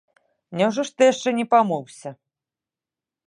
Няўжо ж ты яшчэ не памыўся?